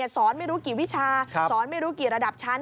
สอนไม่รู้กี่วิชาสอนไม่รู้กี่ระดับชั้น